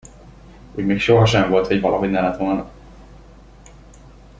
Úgy még sohasem volt, hogy valahogy ne lett volna.